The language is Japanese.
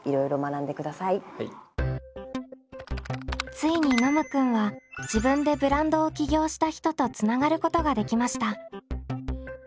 ついにノムくんは自分でブランドを起業した人とつながることができました！